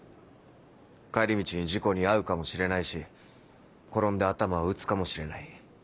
帰り道に事故に遭うかもしれないし転んで頭を打つかもしれない。